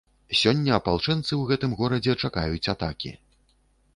Сёння апалчэнцы ў гэтым горадзе чакаюць атакі.